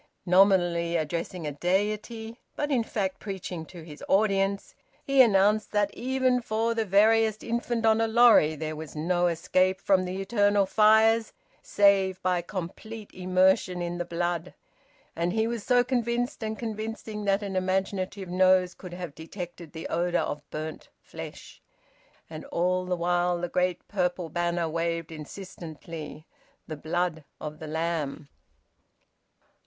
Nominally addressing a deity, but in fact preaching to his audience, he announced that, even for the veriest infant on a lorry, there was no escape from the eternal fires save by complete immersion in the blood. And he was so convinced and convincing that an imaginative nose could have detected the odour of burnt flesh. And all the while the great purple banner waved insistently: "The Blood of the Lamb."